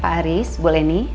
pak aris bu leni